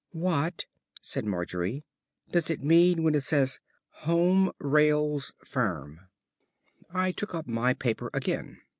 "What," said Margery, "does it mean when it says 'Home Rails Firm'?" I took up my paper again.